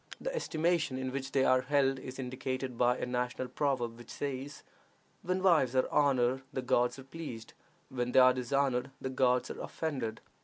The estimation in which they are held is indicated by a national proverb, which says, "When wives are honored the gods are pleased; when they are dishonored the gods are offended."